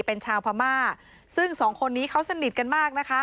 เป็นชาวพม่าซึ่งสองคนนี้เขาสนิทกันมากนะคะ